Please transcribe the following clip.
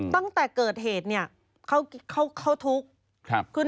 ตั้งแต่เกิดเหตุเนี่ยเขาทุกข์